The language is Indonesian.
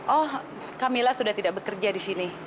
oh camilla sudah tidak bekerja di sini